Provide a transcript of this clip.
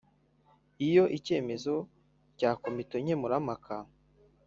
Iyo icyemezo cya komite nkemurampaka